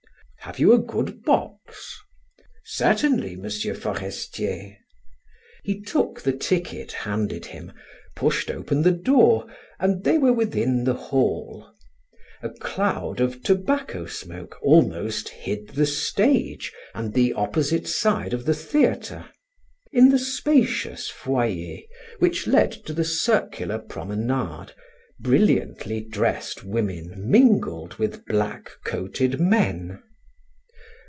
"Have you a good box?" "Certainly, M. Forestier." He took the ticket handed him, pushed open the door, and they were within the hall. A cloud of tobacco smoke almost hid the stage and the opposite side of the theater. In the spacious foyer which led to the circular promenade, brilliantly dressed women mingled with black coated men.